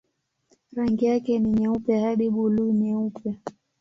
Rangi yake ni nyeupe hadi buluu-nyeupe.